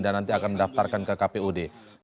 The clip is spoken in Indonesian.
dan nanti akan mendaftarkan ke kpud